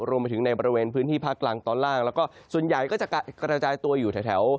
รวมไปถึงในบริเวณพื้นที่ภาคกลางตอนล่างแล้วก็ส่วนใหญ่ก็จะกระจายตัวอยู่แถว